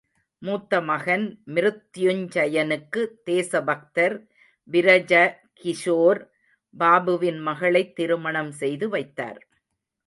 மூத்த மகன் மிருத்யுஞ்சயனுக்கு தேச பக்தர் விரஜகிஷோர் பாபுவின் மகளைத் திருமணம் செய்து வைத்தார்.